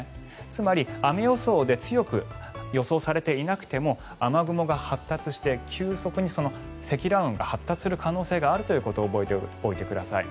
つまり雨予想で強く予想されていなくても雨雲が発達して急速に積乱雲が発達する可能性があるということを覚えておいてください。